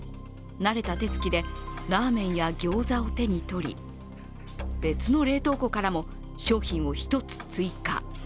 慣れた手つきでラーメンやギョーザを手にとり、別の冷凍庫からも商品を１つ追加。